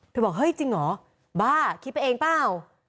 บอกเฮ้ยจริงเหรอบ้าคิดไปเองเปล่า